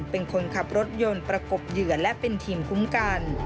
เป็นคนขับรถยนต์ประกบเหยื่อและเป็นทีมคุ้มกัน